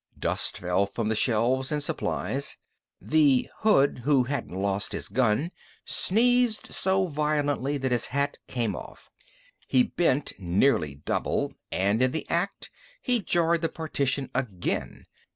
Dust fell from the shelves and supplies. The hood who hadn't lost his gun sneezed so violently that his hat came off. He bent nearly double, and in the act he jarred the partition again.